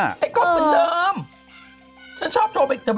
คุณไม่รู้หน้าเปลี่ยนอะไรใช่หรือเป็นเหมือนเดิม